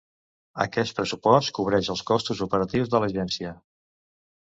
Aquest pressupost cobreix els costos operatius de l'agència.